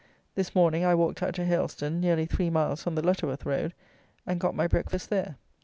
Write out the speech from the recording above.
This morning I walked out to Hailstone, nearly three miles on the Lutterworth road, and got my breakfast there.